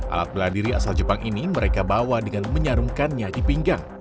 alat beladiri asal jepang ini mereka bawa dengan menyarumkannya di pinggang